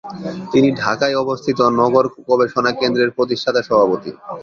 তিনি ঢাকায় অবস্থিত নগর গবেষণা কেন্দ্রের প্রতিষ্ঠাতা সভাপতি।